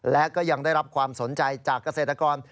และก็ยังได้รับความสนใจจากเกษตรกร